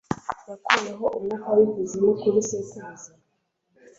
Yakuyeho umwuka w'ikuzimu kuri sekuruza